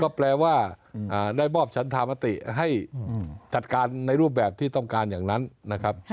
ก็แปลว่าได้มอบฉันธามติให้จัดการในรูปแบบที่ต้องการอย่างนั้นนะครับ